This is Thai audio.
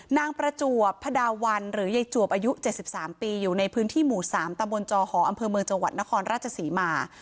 นางประจวบพระดาวันหรือยายจวบอายุ๗๓ปีอยู่ในพื้นที่หมู่๓ตะบนจอหออำเภอเมืองจังหวัดนครราชศรีมา